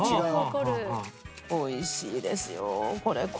おいしいですよこれ。